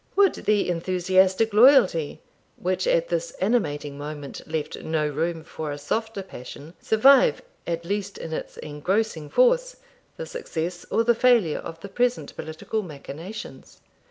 Would the enthusiastic loyalty, which at this animating moment left no room for a softer passion, survive, at least in its engrossing force, the success or the failure of the present political machinations?